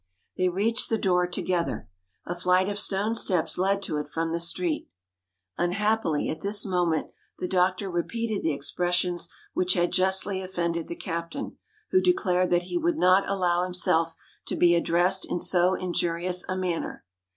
They reached the door together. A flight of stone steps led to it from the street. Unhappily, at this moment the doctor repeated the expressions which had justly offended the captain, who declared that he would not allow himself to be addressed in so injurious a manner.